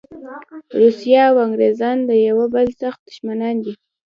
روسیه او انګریزان د یوه بل سخت دښمنان دي.